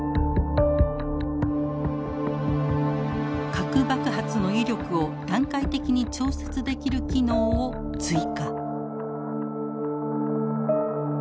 核爆発の威力を段階的に調節できる機能を追加。